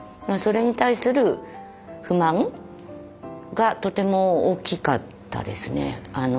それに対する不満がとても大きかったですね。